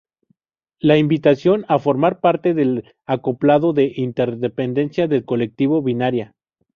La invitación a formar parte del acoplado de interdependencia del Colectivo Binaria.